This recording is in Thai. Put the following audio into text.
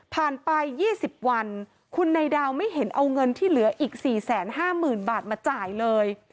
ไป๒๐วันคุณนายดาวไม่เห็นเอาเงินที่เหลืออีก๔๕๐๐๐บาทมาจ่ายเลย